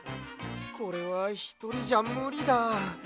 これはひとりじゃむりだ。